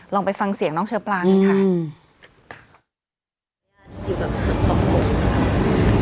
ลองไปฟังเสียงน้องเชอปลากันค่ะอยู่กับคุณค่ะขอบคุณค่ะ